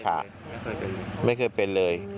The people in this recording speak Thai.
ไม่เคยเป็นไม่เคยเป็นเลย